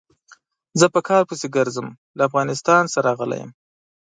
زه په کار پسې ګرځم، له افغانستان څخه راغلی يم.